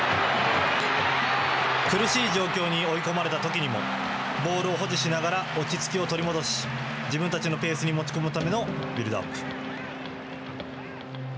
苦しい状況に追い込まれたときにもボールを保持しながら落ち着きを取り戻し自分たちのペースに持ち込むためのビルドアップ。